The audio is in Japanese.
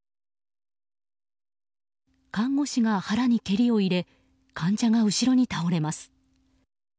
看護士が腹に蹴りを入れ患者が後ろに倒れます。